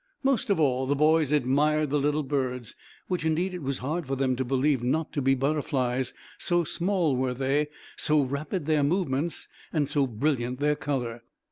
Most of all the boys admired the little birds, which indeed it was hard for them to believe not to be butterflies, so small were they, so rapid their movements, and so brilliant their color.